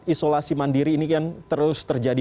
isolasi mandiri ini kan terus terjadi